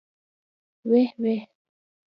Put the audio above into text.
ويح ويح.